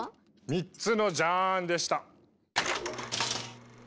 ３つのジャーンでした！